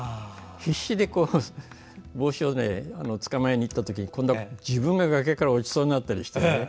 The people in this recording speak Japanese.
必死で帽子を捕まえに行ったとき今度は自分が崖から落ちそうになったりした。